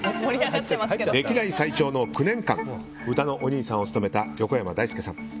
歴代最長の９年間うたのおにいさんを務めた横山だいすけさん。